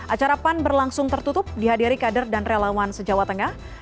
acara pan berlangsung tertutup dihadiri kader dan relawan sejawa tengah